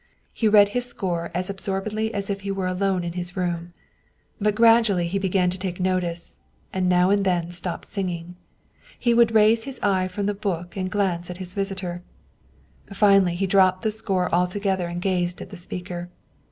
He read his score as absorbedly as if he were alone in his room. But gradually he began to take notice, and now and then stopped singing. He would then raise his eye from his book and glance at his visitor. Finally, he dropped the score altogether and gazed at the speaker.